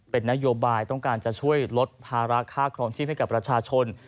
เป็นนโยบายต้องการจะช่วยลดภาระค่าครองชีพให้กับประชาชน